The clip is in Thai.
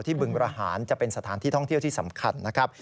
บึงระหารจะเป็นสถานที่ท่องเที่ยวที่สำคัญนะครับ